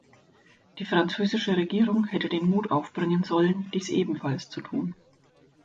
Die französische Regierung hätte den Mut aufbringen sollen, dies ebenfalls zu tun.